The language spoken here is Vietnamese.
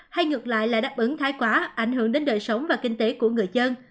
hay ngược lại là đáp ứng thái quá ảnh hưởng đến đời sống và kinh tế của người dân